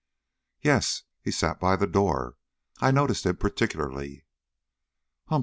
"Yes. He sat down by the door. I noticed him particularly." "Humph!